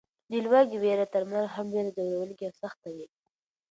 د لوږې وېره تر مرګ هم ډېره ځوروونکې او سخته وي.